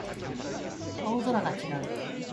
青空が違う